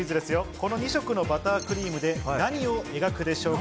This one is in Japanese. この２色のバタークリームで何を描くでしょうか？